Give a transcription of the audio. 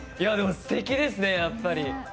すてきですね、やっぱり。